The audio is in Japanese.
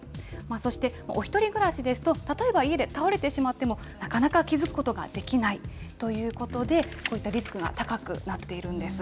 そしてお１人暮らしですと、例えば家で倒れてしまっても、なかなか気付くことができないということで、こういったリスクが高くなっているんです。